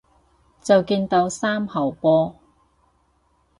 就見到三號波